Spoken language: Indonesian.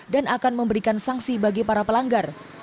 dan akan memberikan sanksi bagi para pelanggar